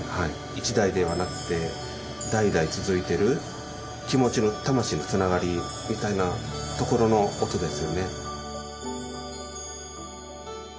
一代ではなくて代々続いてる気持ちの魂のつながりみたいなところの音ですよね。